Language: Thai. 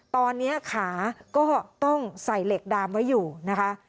ตอนนี้ขาก็ต้องใส่เหล็กดามไว้อยู่นะคะ